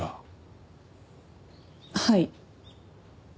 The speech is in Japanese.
はい。